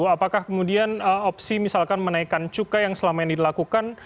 apakah kemudian opsi misalkan menaikkan cukai yang selama ini dilakukan